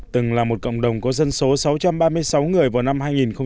từng là một cộng đồng có dân số sáu trăm ba mươi sáu người vào năm hai nghìn một mươi